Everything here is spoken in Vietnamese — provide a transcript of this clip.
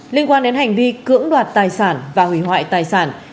liên quan đến hành vi cưỡng đoạt tài sản và hủy hoại tài sản